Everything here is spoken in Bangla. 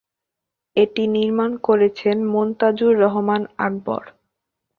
এটি নির্মাণ করেছেন মনতাজুর রহমান আকবর।